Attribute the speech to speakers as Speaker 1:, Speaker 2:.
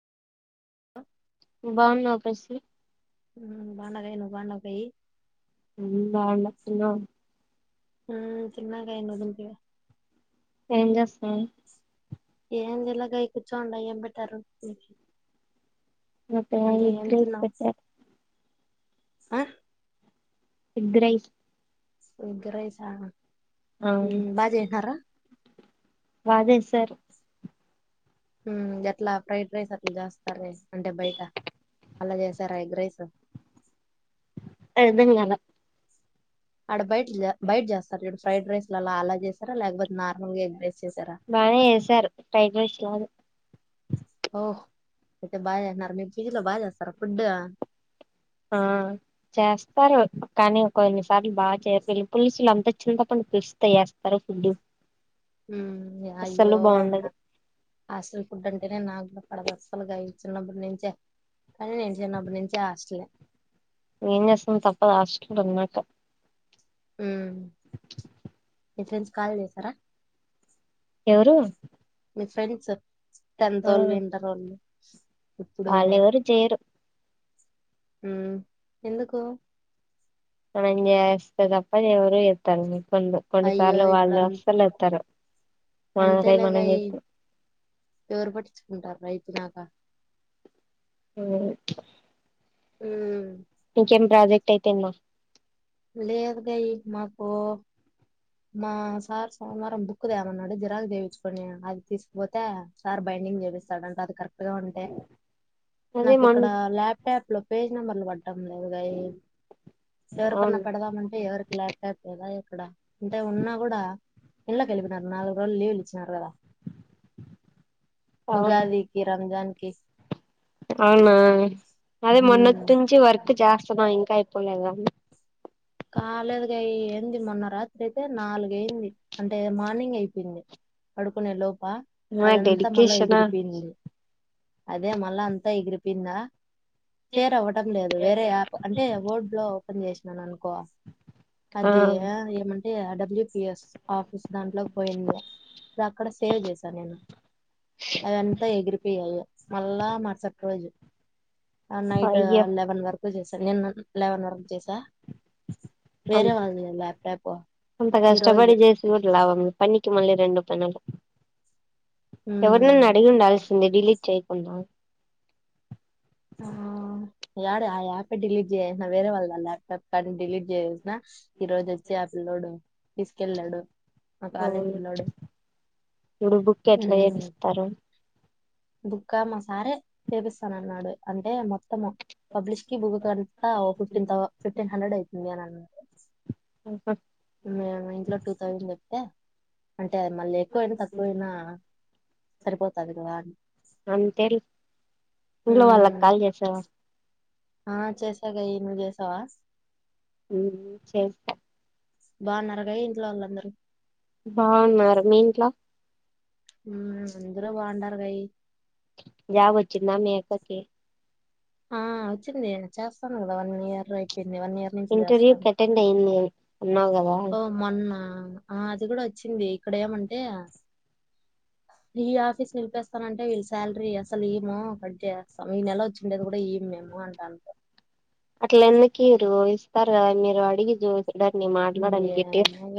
Speaker 1: బాగున్నావు కసి
Speaker 2: బాంగున్ననే నువు బాంగున్నావ ప్రయ్
Speaker 1: నేను బాగుండా టున్నావ్
Speaker 2: హ చిన్నకయ నుదింటివ
Speaker 1: ఏం చేస్తున్న
Speaker 2: ఏం జలాగాయ కూర్చోండా ఏం పెట్టారు మికి
Speaker 1: మేత్తగా ఇడ్లీ ఏసి పెట్టారు
Speaker 2: ఆ
Speaker 1: ఎగ్ రైస్
Speaker 2: ఎగ్ రైస బ జెస్ న్నారా
Speaker 1: బజేసార్
Speaker 2: ఉ ఎట్లా ఫ్రైడ్ రైస్ అట్లా చేస్తారే అంటే బయట అలా చేసారా ఎగ్ రైస్
Speaker 1: ఎన్దిగాన
Speaker 2: ఆడ బయాటిల బయట చేస్తారు చూడు ఫ్రైడ్ రైస్లా లలా చేస్తారా లేకపోతే నార్మల్గా ఎగ్ రైస్ చేసారా
Speaker 1: బానే చేసారు ఫ్రైడ్ రైస్ లానే
Speaker 2: అయితే బాగా చేసినార మీ పీజీలో బాగా చేస్తార ఫుడ్
Speaker 1: ఆ చేస్తారు కానీ కొన్ని సార్లు బా చేసేళ్ళు పులుసులు అంత చింతపండు పిస్త ఏస్తారు ఫుడ్
Speaker 2: ఉ
Speaker 1: అస్సలు
Speaker 2: అయ్యో అన్నా
Speaker 1: బాగుండదు
Speaker 2: హాస్టల్ ఫుడ్ అంటేనే నాకు కూడా పడదు అస క లుగా ఇ చిన్నప్పటి నుంచే కానీ నేను చిన్నప్పటి నుంచే హస్లే
Speaker 1: ఏంచేస్తాం తప్పదు హాస్టల్ ఉన్నక
Speaker 2: ఉ మీ ఫ్రెంస్ కాల్ చేసారా
Speaker 1: ఎవరు
Speaker 2: మీ ఫ్రెండ్స్ టెన్త్ వాళ్ళు ఇంటర్ వాళ్ళు
Speaker 1: మాళ్ళఊరు జయరు
Speaker 2: ఎందుకో
Speaker 1: మంజే వస్తదప్పా దేవరు ఇతారు కొ కొన్ని
Speaker 2: అయ్యో
Speaker 1: సార్లు
Speaker 2: ఇప్పుడు
Speaker 1: వాళ్ళు
Speaker 2: అం
Speaker 1: అసలు వస్తారు మనకై మనంస్తం
Speaker 2: పేరుపట్చుకుంటారు రైతు నాక
Speaker 1: అ
Speaker 2: హ
Speaker 1: ఇంకేం ప్రాజెక్ట్ అయితేన్నా
Speaker 2: లేదు కాయ మాకు మా సార్ సోమవారం బుక్ దేమన్నాడు జిరాకు దేయిచ్చుకని అది తీసుపోతే సార్ బైండింగ్ చేపిస్తాడంటే అది కరెక్ట్గా ఉంటే
Speaker 1: అదే
Speaker 2: నాకు
Speaker 1: మొన్
Speaker 2: ఇక్కడ ల్యాప్టాప్ లో పేజ్ నెంబర్లు పడ్డాం లేదు కా ఎక్కన
Speaker 1: అవును
Speaker 2: పెడదామంటే ఎవరికి లేట్ అవు కదా ఇక్కడ ఇంటే ఉన్నా కూడా ఇంలకి వెలిళినారు నాలుగు రోజులు లీవ్లు ఇ దా
Speaker 1: అవునా అవునా అదే మొన్నటి నుంచి వర్క్ చేస్తన్నాం ఇంకా పోలేద
Speaker 2: కాలేదు ఏంది మొన్న రాత్రి అయితే నాలుగ అయింది అంటే మార్నింగ్ అయిపోయింది అడుకునే లోప తప్ప
Speaker 1: ఆ
Speaker 2: అదంతా మళ్ళా
Speaker 1: డెడికేషనా
Speaker 2: ఎగిరిపోయింది అదే మళ్ళా అంతా ఎగిరిపిందా కేషేర్ అవ్వడంం లేదు వేరే యాప్ అంటే ర్డ్ లో ఓపెన్ చేసి స కు
Speaker 1: ఆ
Speaker 2: అదే ఏమంటే అడ ిపిఎస్ ఆఫస్ దాంట్లోకి పోయింది అక్కడ సేవ్ చేశాను నేను అదంతా ఎగిరిపోయాయి మళ్ళా మరుసటి రోజు నైట్
Speaker 1: అయ్యో
Speaker 2: లెవెన్ వరకు చేసాను నేను లెవెన్ వరకు చేసా వేరే
Speaker 1: అంత
Speaker 2: వాళ్ళది ల్యాప్టాప్
Speaker 1: అంత
Speaker 2: ఈ
Speaker 1: కష్టపడి
Speaker 2: రోజు
Speaker 1: చేసిినట్లావ పని మళ్ల్ రెండు పెనలు ఎవరినన్ను
Speaker 2: ఉమ్
Speaker 1: అడిగి ఉండాల్సిందే డిలీట్ ఉన్నాను
Speaker 2: ఆ డ ఆ యాప డిలీట్ చేయసినా వేరే వాళ్ళ ల్యాప్టాప్ కానీ డిలీట్ చేయేసిన ఈ రోజు వచ్చి యాప్ లోడు తీసుకెళ్లాాడు
Speaker 1: అవును ఇప్పుడు బుక్ ఎట్లా
Speaker 2: ఉమ్
Speaker 1: చేపిస్తారు
Speaker 2: బుక్క మా సారే చేేపిస్తాన అన్నాడు అంటే మొత్తం మొత్త పబ్లిష్ కి బు కంతా ఫిఫ్టీన్ ఫిఫ్టీన్ హండ్రెడ్ అవుతుంది అని అ మే ఇంట్లో టూ థౌజండ్ చెప్తే అంటే మళ్ళీ ఎక్కువైనా తక్కువయినా సరిపోతదువా
Speaker 1: అంతేలి ఇంలో వాళ్ళకి కాల్ చేసావా
Speaker 2: హా జైసా కయ ను జసవాస
Speaker 1: సే
Speaker 2: బాన్నరగయ ఇంట్లో వాళ్ళందరూ
Speaker 1: బాగున్నారు మీ ఇంట్లో
Speaker 2: ఎందులో బంటారు కై
Speaker 1: జాబ్ వచ్చిందా మీ అక్కకి
Speaker 2: ఆ వచ్చింది చేస్తాను కదా వన్ ఇయర్ అయిపోయి
Speaker 1: ఇంటర్వ్యూ అటెండ్ అయింది నేను
Speaker 2: ఓ మొన్న ఆ అది కూడా వచ్చింది ఇక్కడ ఏమంటే ఈ ఆఫీస్ నిలిపేస్తానంటే వీళ్ళ శాలరీ అసలు ఏమో కట్ చేస్తాం ఈ నెల వచ్చిండేది కూడా ఈం మేము అంట అనుం
Speaker 1: అట్లా ఎందు కీరు ఇస్త మీరు అడిగ జో ఇద నీ మాట్లాడ న గటీర్
Speaker 2: ఏమో